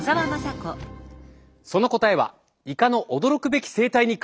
その答えはイカの驚くべき生態に隠されていた。